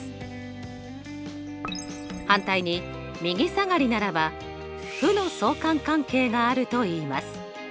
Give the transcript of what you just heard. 反対に右下がりならば負の相関関係があるといいます。